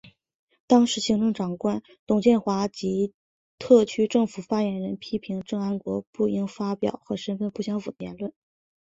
当时行政长官董建华及特区政府发言人批评郑安国不应发表和身份不相符的言论。